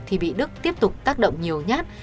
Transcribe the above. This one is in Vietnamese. thì bị đức tiếp tục tác động nhiều nhát